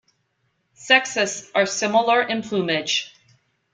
Sexes are similar in plumage.